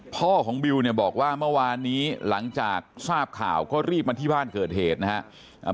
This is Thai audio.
พ่อของบิวเนี่ยบอกว่าเมื่อวานนี้หลังจากทราบข่าวก็รีบมาที่บ้านเกิดเหตุนะครับ